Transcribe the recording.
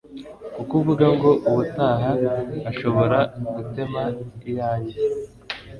kuko uvuga ngo ubutaha hashobora gutema iyanjye.”